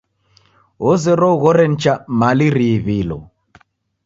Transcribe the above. Ozerwa ughore nicha mali riiw'ilo.